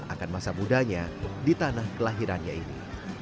akan masa mudanya di tanah kelahirannya ini